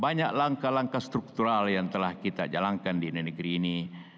banyak langkah langkah struktural yang telah kita jalankan di negeri ini